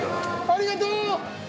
ありがとう！